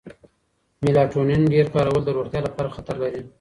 میلاټونین ډېر کارول د روغتیا لپاره خطر لري.